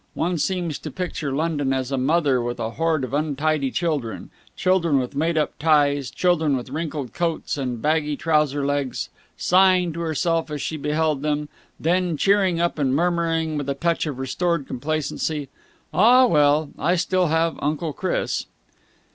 One seems to picture London as a mother with a horde of untidy children, children with made up ties, children with wrinkled coats and baggy trouser legs, sighing to herself as she beheld them, then cheering up and murmuring with a touch of restored complacency, "Ah, well, I still have Uncle Chris!"